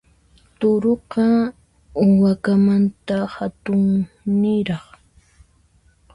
Turuqa, wakamanta hatunniraq.